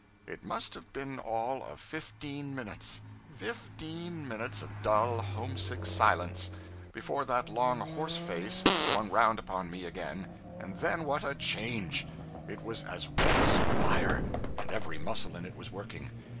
It must have been all of fifteen minutes fifteen minutes of dull, homesick silence before that long horse face swung round upon me again and then, what a change! It was as red as fire, and every muscle in it was working.